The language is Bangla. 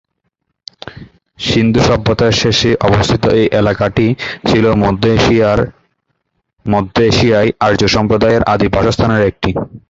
সিন্ধু সভ্যতার শেষে অবস্থিত এই এলাকাটি ছিলো মধ্য এশিয়ায় আর্য সম্প্রদায়ের আদি বাসস্থানের একটি।